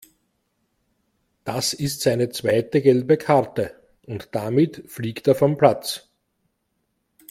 Das ist seine zweite gelbe Karte und damit fliegt er vom Platz.